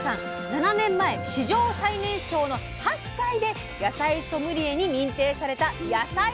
７年前史上最年少の８歳で野菜ソムリエに認定された野菜博士です。